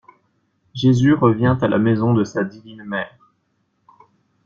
Jésus revient à la maison de sa divine mère.